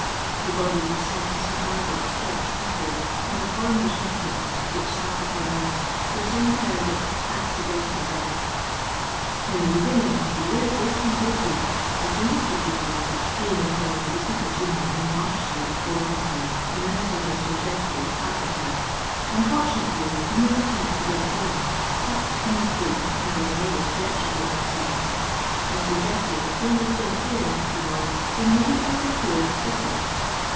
The bodies were sent to St. Margaret's Church, Lothbury, and a coroner's inquest, which sat upou them, returned the verdict — Accidental Death." '* In the beginning of the year 1803, a chimney sweeper's boy being employed to sweep a chimney in Marsh street, Walthamstow, in tho house of Mr. Jeffery, carpenter, unfortunately, in his at tempt to get down, stuck in the flue and was unable to extricate himself. Mr. JelTery, being within hearing of the boy, immediately procured assistance.